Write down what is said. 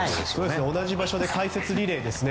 同じ場所で解説リレーですね。